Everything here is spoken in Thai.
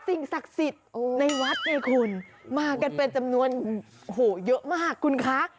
สิ่งศักดิ์สิทธิ์ในวัดไงคุณมากันเป็นจำนวนโอ้โหเยอะมากคุณคะ